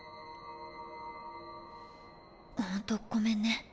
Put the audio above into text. ホントごめんね。